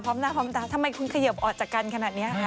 พร้อมหน้าพร้อมตาทำไมคุณเขยิบออกจากกันขนาดนี้